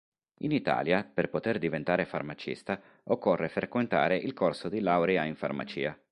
In Italia per poter diventare farmacista occorre frequentare il corso di laurea in farmacia.